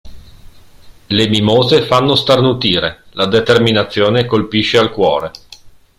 Le mimose fanno starnutire, la determinazione colpisce al cuore.